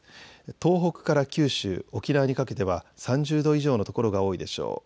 東北から九州、沖縄にかけては３０度以上の所が多いでしょう。